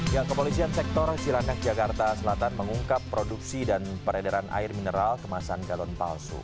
yang kepolisian sektor cilandak jakarta selatan mengungkap produksi dan peredaran air mineral kemasan galon palsu